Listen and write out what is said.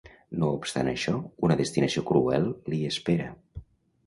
No obstant això una destinació cruel li espera.